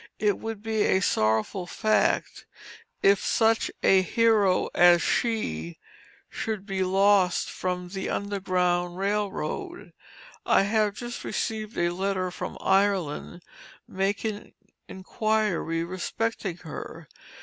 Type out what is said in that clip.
It would be a sorrowful fact, if such a hero as she, should be lost from the Underground Rail Road. I have just received a letter from Ireland, making inquiry respecting her.